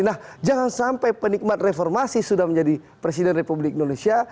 nah jangan sampai penikmat reformasi sudah menjadi presiden republik indonesia